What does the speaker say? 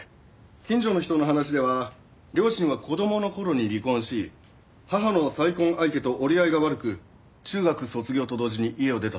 近所の人の話では両親は子供の頃に離婚し母の再婚相手と折り合いが悪く中学卒業と同時に家を出たそうです。